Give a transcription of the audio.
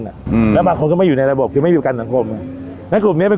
อืมแล้วบางคนก็ไม่อยู่ในระบบคือไม่อยู่ประกันสังคมไงแล้วกลุ่มเนี้ยเป็น